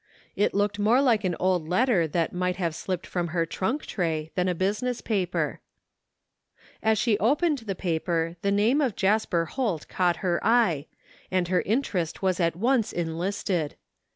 It l<y>ked more like an old letter that might have slipped from her trunk tray than a business paper. As she opened the paper the name of Jasper Holt caught her eye, and her interest was at once enlisted.